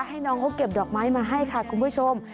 ให้น้องเขาเก็บดอกไม้มาให้ค่ะคุณผู้ชม